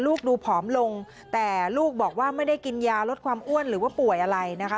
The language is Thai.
ลูกดูผอมลงแต่ลูกบอกว่าไม่ได้กินยาลดความอ้วนหรือว่าป่วยอะไรนะคะ